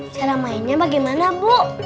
cara mainnya bagaimana bu